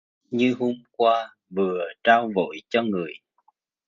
Như hôm qua vừa trao vội cho người